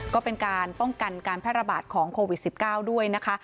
ก็เป็นการป้องกันการแพร่ระบาดของโควิด๑๙ด้วยนะคะ